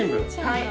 はい。